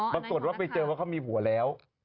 บังสุดว่าไปเจอว่าเขามีผัวแล้ว